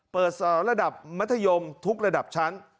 เปิดสอนระดับมัธยมทุกระดับชั้น